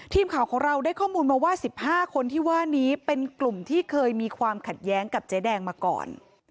ทีมข่าวของเราได้ข้อมูลมาว่า๑๕คนที่ว่านี้เป็นกลุ่มที่เคยมีความขัดแย้งกับเจ๊แดงมาก่อน